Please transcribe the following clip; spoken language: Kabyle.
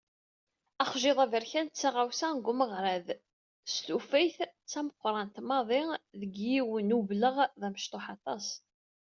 Axjiḍ aberkan d taɣawsa deg umeɣrad s tufayt d tameqqrant maḍi deg yiwen n ubleɣ d amecṭuḥ aṭas.